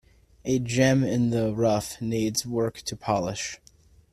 A gem in the rough needs work to polish.